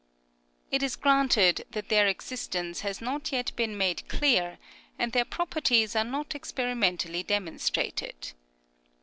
It is granted that their existence has not yet been made clear, and their properties are not experimentally demon strated.